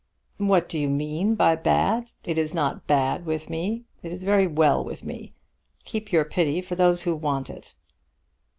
"What do you mean by bad? It is not bad with me. It is very well with me. Keep your pity for those who want it."